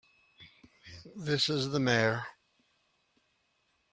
This is the Mayor.